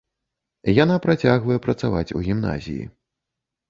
Яна працягвае працаваць у гімназіі.